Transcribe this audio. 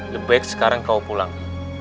lebih baik sekarang kau pulang